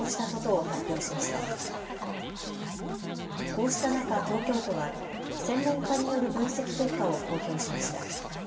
こうした中、東京都は専門家による分析結果を公表しました。